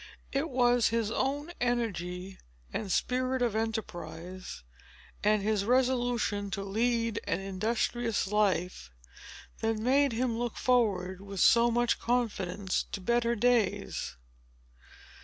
It was his own energy and spirit of enterprise, and his resolution to lead an industrious life, that made him look forward with so much confidence to better days.